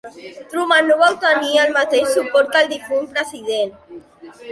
Truman no va obtenir el mateix suport que el difunt president.